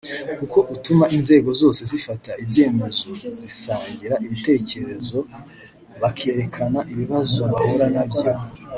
kuko utuma inzego zose zifata ibyemezo zisangira ibtekerezo bakerekana ibibazo bahura nabyo